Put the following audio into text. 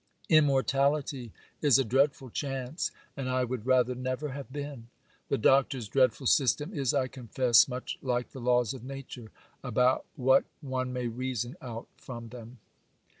Immortality is a dreadful chance, and I would rather never have been.—The Doctor's dreadful system is, I confess, much like the laws of Nature, about what one may reason out from them.